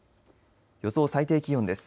予想最低気温です。